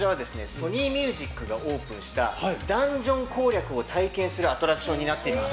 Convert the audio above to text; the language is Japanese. ソニーミュージックがオープンしたダンジョン攻略を体験するアトラクションになっています。